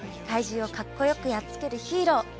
怪獣をかっこよくやっつけるヒーロー。